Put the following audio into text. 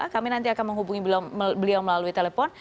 kami nanti akan menghubungi beliau melalui telepon